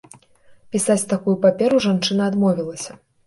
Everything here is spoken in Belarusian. Пісаць такую паперу жанчына адмовілася.